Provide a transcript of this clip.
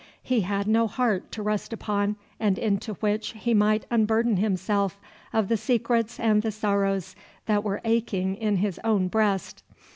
He had no heart to rest upon and into which he might unburden himself of the secrets and the sorrows that were aching in his own breast.